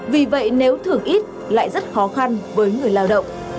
vì vậy nếu thường ít lại rất khó khăn với người lao động